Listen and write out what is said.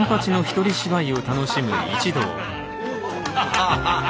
ハハハハ！